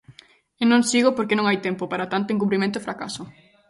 E non sigo porque non hai tempo para tanto incumprimento e fracaso.